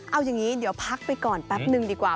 เอาอย่างนี้เดี๋ยวพักไปก่อนแป๊บนึงดีกว่า